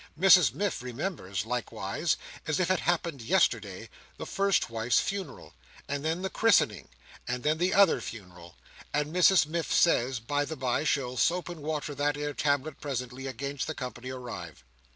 Mrs Miff remembers, like wise, as if it had happened yesterday, the first wife's funeral, and then the christening, and then the other funeral; and Mrs Miff says, by the by she'll soap and water that "ere tablet presently, against the company arrive.